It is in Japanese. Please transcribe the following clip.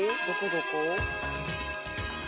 どこ？」